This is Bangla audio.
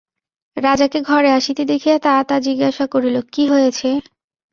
রাজাকে ঘরে আসিতে দেখিয়া তাতা জিজ্ঞাসা করিল, কী হয়েছে?